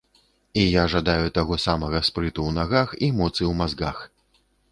І я жадаю таго самага, спрыту ў нагах і моцы ў мазгах.